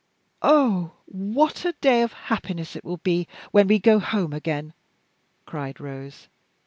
"Oh, what a day of happiness it will be when we go home again!" cried Rose.